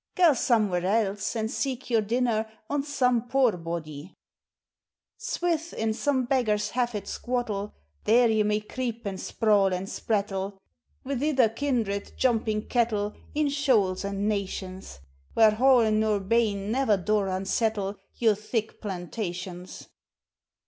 Gae somewhere else, and seek your dinner On some poor body ANIMATE NATURE. 349 Swith, in some beggar's haffet squattle, There ye may creep and sprawl and sprattle Wi' ither kindred, jumping cattle, In shoals and nations : Whare horn nor banc ne'er daur unsettle Your thick plantations.